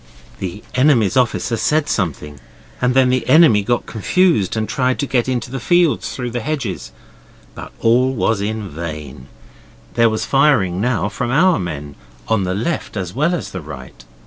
The enemy's officer said something, and then the enemy got confused and tried to get into the fields through the hedges. But all was vain. There was firing now from our men, on the left as well as the right.